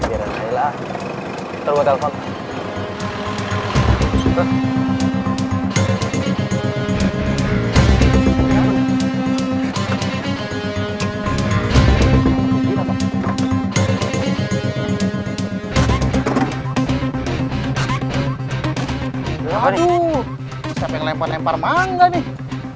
aduh siapa yang lepon lempar bangga nih